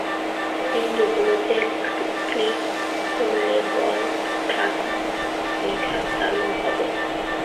বিন্দুগুলোতে click করলে ball tracking রেখা চালু হবে।